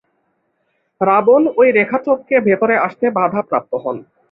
রাবণ ঐ রেখা টপকে ভেতরে আসতে বাধাপ্রাপ্ত হন।